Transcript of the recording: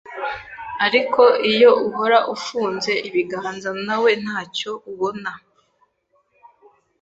ariko iyo uhora ufunze ibiganza nawe ntacyo ubona,